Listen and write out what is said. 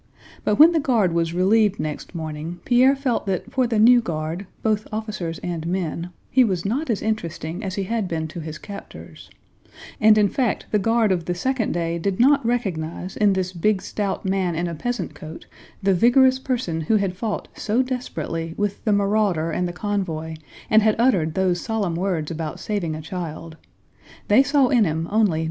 But when the guard was relieved next morning, Pierre felt that for the new guard—both officers and men—he was not as interesting as he had been to his captors; and in fact the guard of the second day did not recognize in this big, stout man in a peasant coat the vigorous person who had fought so desperately with the marauder and the convoy and had uttered those solemn words about saving a child; they saw in him only No.